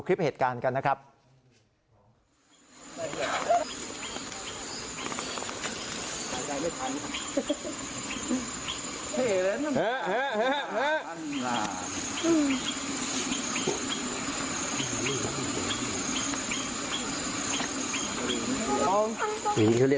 นี่เขาเรียกดื้อเหรอ